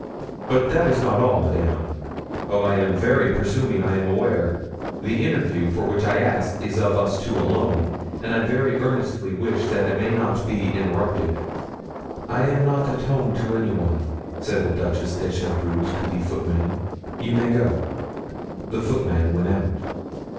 "But that is not all, madame. Oh, I am very presuming, I am aware. The interview for which I ask is of us two alone, and I very earnestly wish that it may not be interrupted." "I am not at home to any one," said the Duchess de Chevreuse to the footman. "You may go." The footman went out.